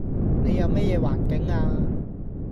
你又咩嘢環境呀